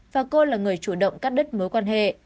và cô là người chủ động cắt đứt mối quan hệ